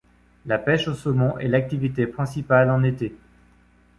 La pêche au saumon est l'activité principale en été.